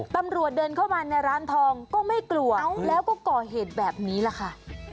เดินเข้ามาในร้านทองก็ไม่กลัวแล้วก็ก่อเหตุแบบนี้แหละค่ะ